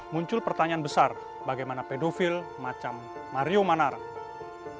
muncul pertanyaan besar bagaimana pedofil macam mario manara